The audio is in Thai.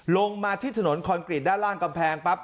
ลงมาที่ถนนคอนกรีตด้านล่างกำแพงปั๊บ